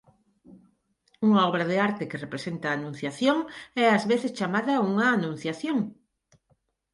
Unha obra de arte que representa a Anunciación é ás veces chamada unha Anunciación.